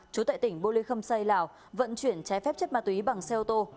trú tại tỉnh bô lê khâm xây lào vận chuyển trái phép chất ma túy bằng xe ô tô